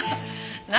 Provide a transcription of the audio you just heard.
何？